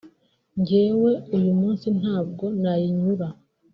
njyewe uyu munsi ntabwo nayinyura